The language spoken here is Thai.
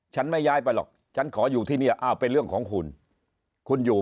ฉันไม่ย้ายไปหรอกฉันขออยู่ที่นี่อ้าวเป็นเรื่องของคุณคุณอยู่